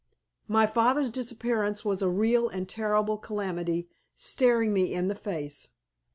My father's disappearance was a real and terrible calamity staring me in the face.